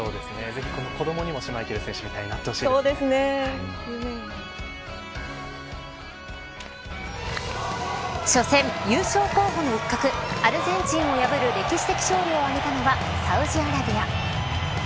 ぜひこの子どもにもシュマイケル選手みたいに初戦、優勝候補の一角アルゼンチンを破る歴史的勝利を挙げたのはサウジアラビア。